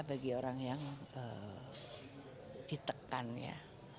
bagi orang yang ditekannya